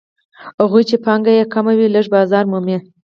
هغوی چې پانګه یې کمه وي لږ بازار مومي